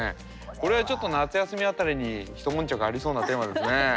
これはちょっと夏休みあたりにひともんちゃくありそうなテーマですね。